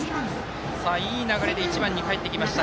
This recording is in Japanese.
いい流れで１番にかえってきました。